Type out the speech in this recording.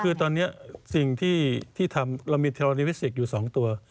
คือตอนนี้สิ่งที่ทำเรามีเทโรนิมิสิกส์อยู่๒ตัว